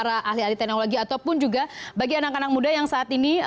para ahli ahli teknologi ataupun juga bagi anak anak muda yang saat ini